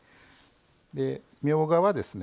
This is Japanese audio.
みょうがはですね